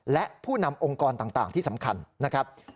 และผู้นำองค์กรต่างที่สำคัญนะครับ